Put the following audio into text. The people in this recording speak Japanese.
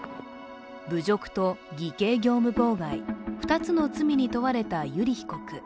侮辱と偽計業務妨害、２つの罪に問われた油利被告。